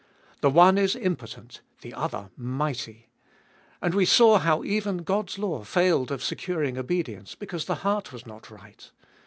The one is impotent, the other mighty. And we saw how even God's law failed of securing obedience, because the heart was not right.